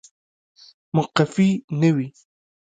مقفي نه وي